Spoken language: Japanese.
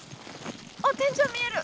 あっ天井見える！